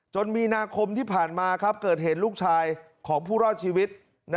มีนาคมที่ผ่านมาเกิดเห็นลูกชายของผู้รอดชีวิต